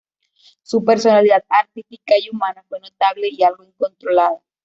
Su personalidad artística y humana fue notable y algo incontrolada.